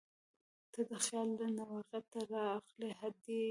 • ته د خیال نه واقعیت ته راغلې هدیه یې.